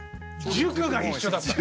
塾が一緒だった。